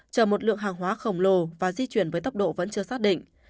chở một lượng hàng hóa khổng lồ và di chuyển với tốc độ vẫn chưa xác định